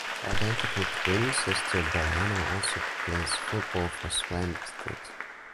Her identical twin sister Brianna also plays football for Swan Districts.